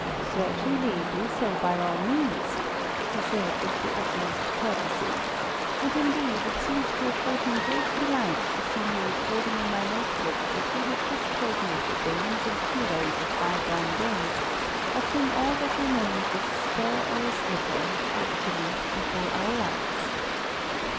"Certainly, do so by all means," he said, with the utmost courtesy, and, indeed, it seemed to afford him great delight to see me recording in my note book what he had just told me of the dames and heroes of bygone days, of whom all that remained was a spur or a slipper, actually before our eyes.